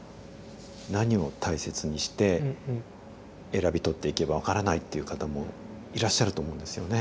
何を大切にして選び取っていけば分からないっていう方もいらっしゃると思うんですよね。